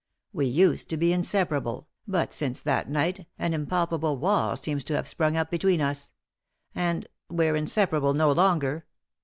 We used to be inseparable, but since that night an impalpable wall seems to have sprung up between us ; and — we're inseparable no longer.